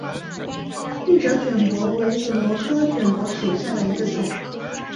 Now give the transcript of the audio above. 鹿角卷柏为卷柏科卷柏属下的一个种。